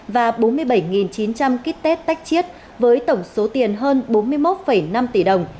và bốn mươi bảy chín trăm linh kit tét tách chiết với tổng số tiền hơn bốn mươi một năm tỷ đồng